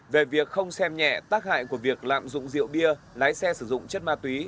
về việc không xem nhẹ tác hại của việc lạm dụng rượu bia lái xe sử dụng chất ma túy